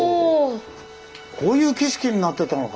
こういう景色になってたのか。